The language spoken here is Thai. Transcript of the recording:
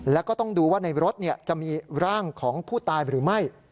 แล้วก็ต้องดูว่าในรถจะมีร่างของผู้ตายหรือไม่